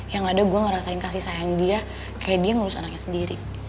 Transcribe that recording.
yang ada gue ngerasain kasih sayang dia kayak dia ngurus anaknya sendiri